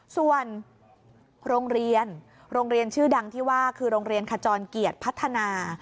ส่วนโรงเรียนโรงเรียนชื่อดังที่ว่าคือโรงเรียนขจรเกียรติพัฒนา